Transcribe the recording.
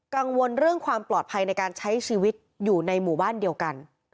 กังวลเรื่องความปลอดภัยในการใช้ชีวิตอยู่ในหมู่บ้านเดียวกัน